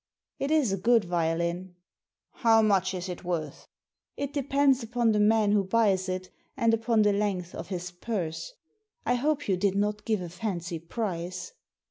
" It is a good violin." How much is it worth ?'It depends upon the man who buys it, and upon the length of his purse. I hope you did not give a fancy price."